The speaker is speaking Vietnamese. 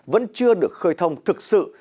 vẫn chưa được khơi thông thực sự